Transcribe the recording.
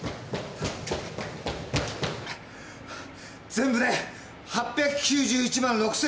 全部で８９１万６，１００円。